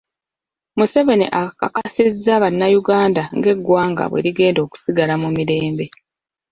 Museveni akakasizza bannayuganda ng’eggwanga bwe ligenda okusigala mu mirembe.